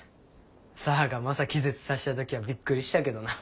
沙和がマサ気絶させた時はびっくりしたけどな。